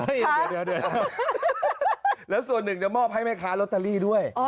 เดี๋ยวแล้วส่วนหนึ่งจะมอบให้แม่ค้าลอตเตอรี่ด้วย